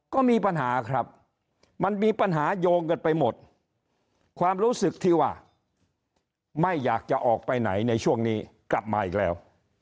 ก็มีปัญหาครับมันมีปัญหาโยงกันไปหมดความรู้สึกที่ว่าไม่อยากจะออกไปไหนในช่วงนี้กลับมาอีกแล้ว